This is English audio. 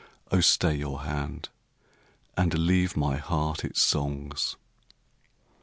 O stay your hand, and leave my heart its songs!